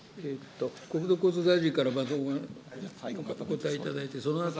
国土交通大臣からまずお答えいただいて、そのあと。